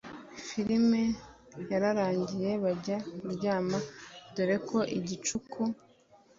film yararangiye bajya kuryama dore ko igicuku